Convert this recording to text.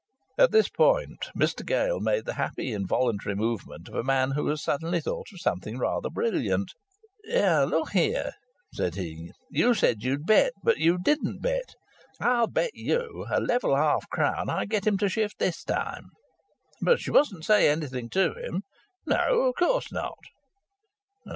At this point Mr Gale made the happy involuntary movement of a man who has suddenly thought of something really brilliant. "Look here," said he. "You said you'd bet. But you didn't bet. I'll bet you a level half crown I get him to shift this time." "But you mustn't say anything to him." "No of course not."